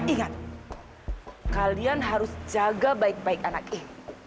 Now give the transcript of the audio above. ingat kalian harus jaga baik baik anaknya